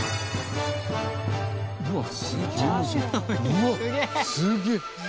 うわっすげえ！